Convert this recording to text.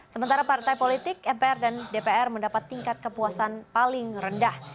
sementara partai politik mpr dan dpr mendapat tingkat kepuasan paling rendah